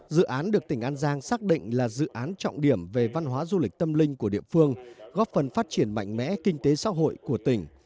dự án được tỉnh an giang xác định là dự án trọng điểm về văn hóa du lịch tâm linh của địa phương góp phần phát triển mạnh mẽ kinh tế xã hội của tỉnh